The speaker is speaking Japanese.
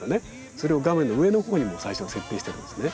それを画面の上のほうにもう最初に設定してるんですね。